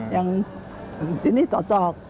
yang ini cocok